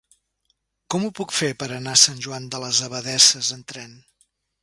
Com ho puc fer per anar a Sant Joan de les Abadesses amb tren?